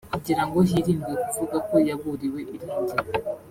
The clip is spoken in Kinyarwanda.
kugira ngo hirindwe kuvuga ko yaburiwe irengero